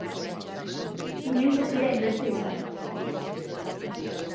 Inoiz ez dira hainbeste izan.